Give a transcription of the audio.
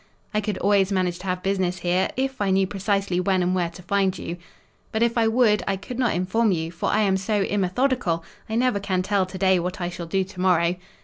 "I could always manage to have business here, if I knew precisely when and where to find you." "But if I would, I could not inform you, for I am so immethodical, I never can tell to day what I shall do to morrow."